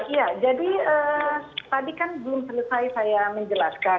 iya jadi tadi kan belum selesai saya menjelaskan